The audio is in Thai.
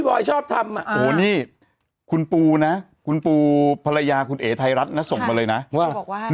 โอ๊ยอย่าไปพูดถึงอะไรอย่างนั้น